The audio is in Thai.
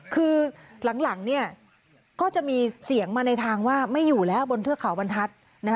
คือหลังก็จะมีเสียงมาในทางว่าไม่อยู่แล้วบนเทือกเขาบรรทัศน์